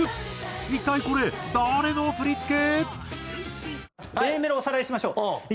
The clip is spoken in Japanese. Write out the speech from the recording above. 一体これ誰の振り付け！？